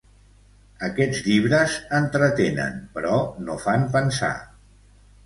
Aquests llibres entretenen, però no fan pensar.